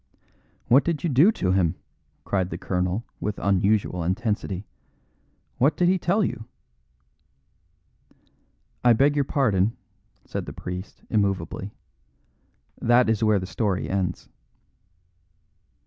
"What did you do to him?" cried the colonel, with unusual intensity. "What did he tell you?" "I beg your pardon," said the priest immovably, "that is where the story ends."